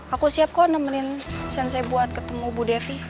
aku siap kok nemenin sense buat ketemu bu devi